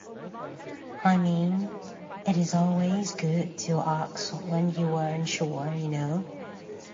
I mean, it is always good to ask when you are unsure, you know?